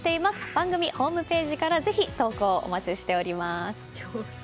番組ホームページからぜひ投稿をお待ちしております。